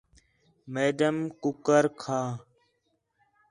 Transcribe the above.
میڈم کُکر کھاں